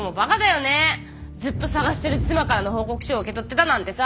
ずっと捜してる妻からの報告書を受け取ってたなんてさ。